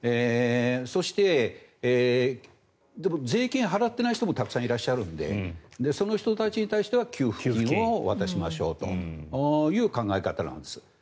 そして、税金を払っていない人もたくさんいらっしゃるのでその人たちに対しては給付金を渡しましょうという考え方なんです。